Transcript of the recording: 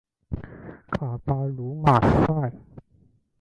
卡巴卢马塞。